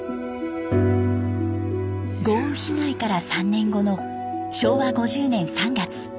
豪雨被害から３年後の昭和５０年３月。